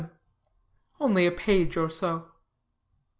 ONLY A PAGE OR SO.